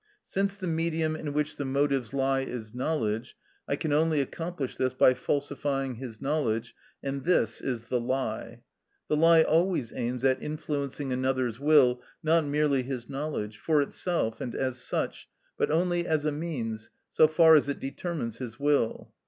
Since the medium in which the motives lie is knowledge, I can only accomplish this by falsifying his knowledge, and this is the lie. The lie always aims at influencing another's will, not merely his knowledge, for itself and as such, but only as a means, so far as it determines his will.